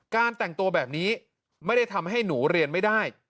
แต่งตัวแบบนี้ไม่ได้ทำให้หนูเรียนไม่ได้